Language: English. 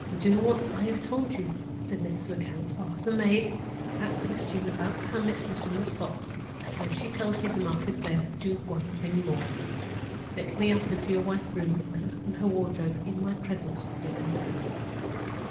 "Do what I told you," said Mrs. Lecount. "Ask the maid that question about her mistress on the spot. And if she tells you the mark is there, do one thing more. Take me up into your wife's room, and open her wardrobe in my presence with your own hands."